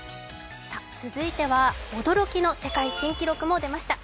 続いては驚きの世界新記録も出ました。